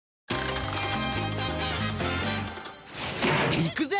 いくぜ！